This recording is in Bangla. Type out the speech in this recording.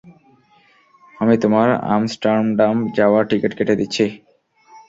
আমি তোমার আমস্টারডাম যাওয়ার টিকেট কেটে দিচ্ছি।